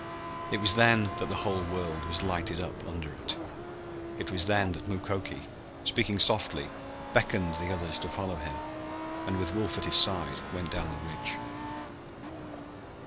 It was then that the whole world was lighted up under it. It was then that Mukoki, speaking softly, beckoned the others to follow him, and with Wolf at his side went down the ridge.